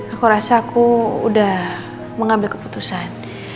aku rasa aku udah mengambil keputusan